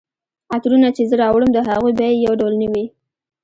عطرونه چي زه راوړم د هغوی بیي یو ډول نه وي